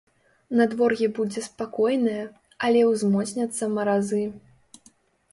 Надвор'е будзе спакойнае, але ўзмоцняцца маразы.